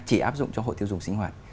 chỉ áp dụng cho hội tiêu dùng sinh hoạt